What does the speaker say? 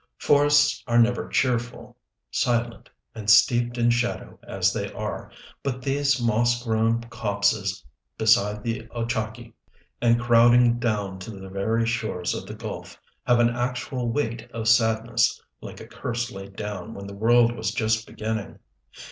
Forests are never cheerful, silent and steeped in shadow as they are, but these moss grown copses beside the Ochakee, and crowding down to the very shores of the gulf, have an actual weight of sadness, like a curse laid down when the world was just beginning.